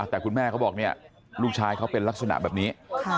แต่คุณแม่เขาบอกเนี่ยลูกชายเขาเป็นลักษณะแบบนี้